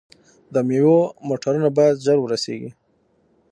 د میوو موټرونه باید ژر ورسیږي.